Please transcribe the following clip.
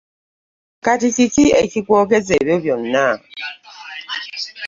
Kati kiki ekikwogeza ebyo byonna?